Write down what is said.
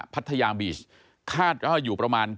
พัทยาบีชคาดว่าอยู่ประมาณ